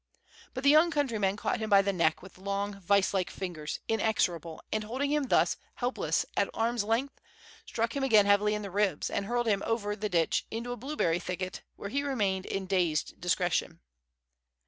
But the young countryman caught him by the neck with long, vise like fingers, inexorable, and, holding him thus helpless at arm's length, struck him again heavily in the ribs, and hurled him over the ditch into a blueberry thicket, where he remained in dazed discretion.